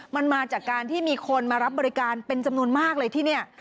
มันมาจากการที่มีคนมารับบริการเป็นจำนวนมากเลยที่นี่